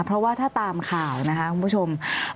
เพราะว่าถ้าตามข่าวนะคะคุณผู้ชม